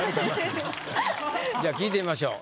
じゃあ聞いてみましょう。